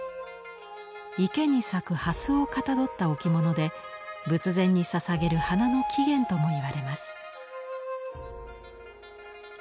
池に咲く蓮をかたどった置物で仏前にささげる花の起源ともいわれます。